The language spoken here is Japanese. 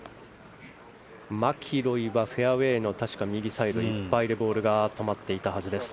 マキロイは確か、フェアウェーの右サイドいっぱいでボールが止まっていたはずです。